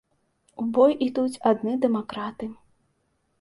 У бой ідуць адны дэмакраты.